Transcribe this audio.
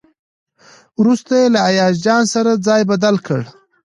وروسته یې له ایاز جان سره ځای بدل کړ.